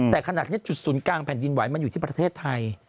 แต่ขนาดนี้จุดศูนย์กลางแผ่นดินไหวมันอยู่ที่ประเทศไทย